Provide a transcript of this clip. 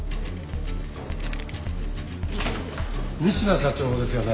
仁科社長ですよね？